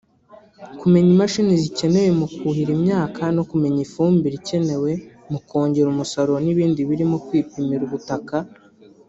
kumenya imashini zikenewe mu kuhira imyaka no kumenya ifumbire ikenewe mu kongera umusaruro n’ibindi birimo kwipimira ubutaka…